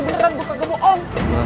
beneran gua kagak bohong